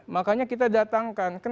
makanya kita datangkan